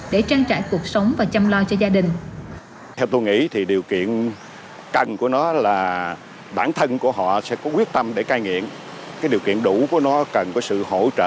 để trang trải cuộc sống và chăm lo cho gia đình